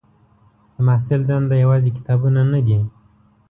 د محصل دنده یوازې کتابونه نه دي.